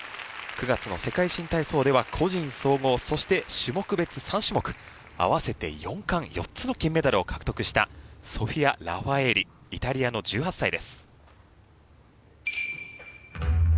９月の世界新体操では個人総合そして種目別３種目合わせて４冠４つの金メダルを獲得したソフィア・ラファエーリイタリアの１８歳です。